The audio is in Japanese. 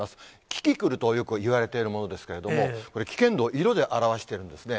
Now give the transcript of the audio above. キキクルとよくいわれているものですけれども、これ、危険度を色で表しているんですね。